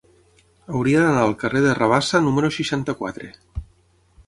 Hauria d'anar al carrer de Rabassa número seixanta-quatre.